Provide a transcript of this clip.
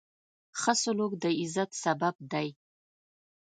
ښه سلوک د عزت سبب دی.